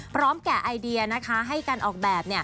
พร้อมแก่ไอเดียนะคะให้การออกแบบ